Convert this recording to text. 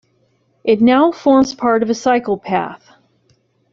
It now forms part of a cycle path.